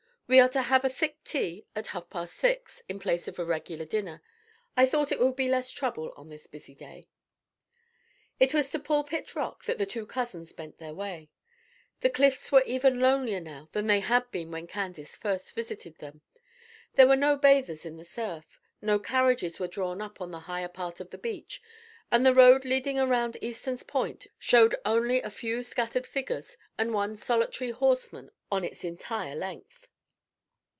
We are to have a 'thick tea' at half past six, in place of a regular dinner. I thought it would be less trouble on this busy day." It was to Pulpit Rock that the two cousins bent their way. The Cliffs were even lonelier now than they had been when Candace first visited them. There were no bathers in the surf; no carriages were drawn up on the higher part of the beach, and the road leading around Easton's Point showed only a few scattered figures and one solitary horseman on its entire length.